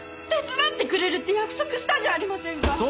手伝ってくれるって約束したじゃありませんか。